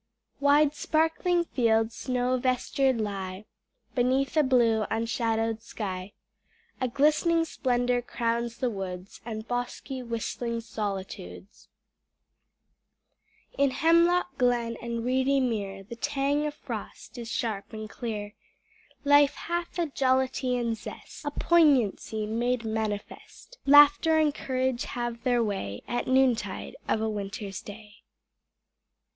II Wide, sparkling fields snow vestured lie Beneath a blue, unshadowed sky; A glistening splendor crowns the woods And bosky, whistling solitudes; In hemlock glen and reedy mere The tang of frost is sharp and clear; Life hath a jollity and zest, A poignancy made manifest; Laughter and courage have their way At noontide of a winter's day.